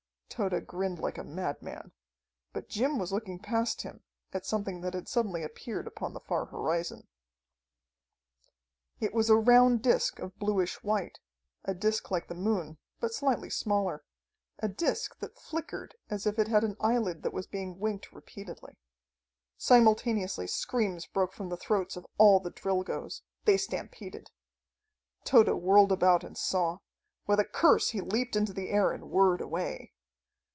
Tode grinned like a madman. But Jim was looking past him, at something that had suddenly appeared upon the far horizon. It was a round disc of bluish white, a disc like the moon, but slightly smaller, a disc that flickered as if it had an eyelid that was being winked repeatedly. Simultaneously screams broke from the throats of all the Drilgoes. They stampeded. Tode whirled about and saw. With a curse he leaped into the air and whirred away.